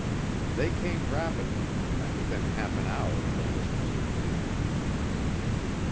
They came rapidly, and within half an hour the list was complete.